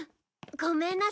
ごめんなさい